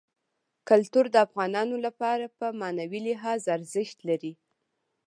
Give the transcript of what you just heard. کلتور د افغانانو لپاره په معنوي لحاظ ارزښت لري.